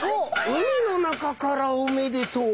「海の中からおめでとう」